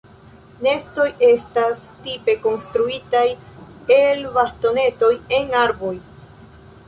Nestoj estas tipe konstruitaj el bastonetoj en arboj.